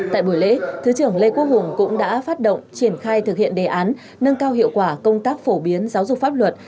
tại buổi lễ thứ trưởng lê quốc hùng cũng đã phát động triển khai thực hiện đề án nâng cao hiệu quả công tác phổ biến giáo dục pháp luật